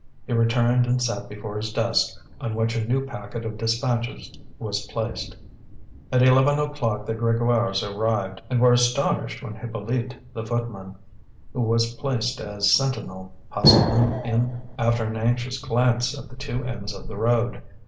He returned and sat before his desk, on which a new packet of dispatches was placed. At eleven o'clock the Grégoires arrived, and were astonished when Hippolyte, the footman, who was placed as sentinel, hustled them in after an anxious glance at the two ends of the road.